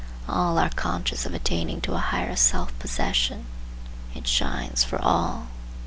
All are conscious of attaining to a higher self possession. It shines for all.